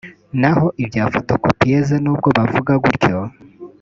naho ibya fotokopiyeze n’ubwo bavuga gutyo